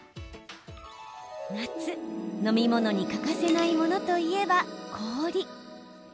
夏、飲み物に欠かせないものといえば氷。